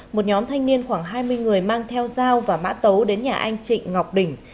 một nhóm thanh niên khoảng hai mươi người mang theo dao và mã tấu đến nhà anh trịnh ngọc bình